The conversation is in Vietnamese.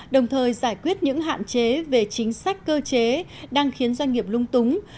đồng thời giải quyết những hạn chế về chính sách cơ chế đang khiến doanh nghiệp lung túng